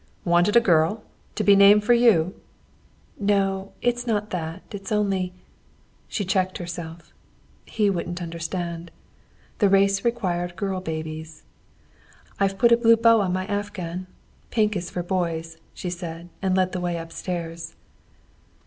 "Wanted a girl, to be named for you?" "No. It's not that. It's only " She checked herself. He wouldn't understand. The race required girl babies. "I've put a blue bow on my afghan. Pink is for boys," she said, and led the way upstairs.